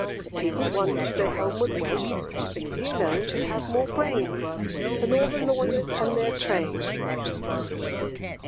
The people wondered, as they homeward went, That he alone should have more brains Than all the lawyers and their trains.